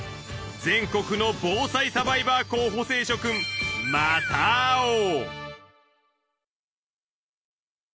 全国の防災サバイバー候補生諸君また会おう！